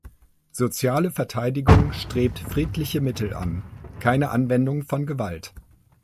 Soziale Verteidigung strebt friedliche Mittel an, keine Anwendung von Gewalt.